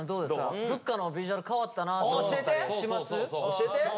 教えて！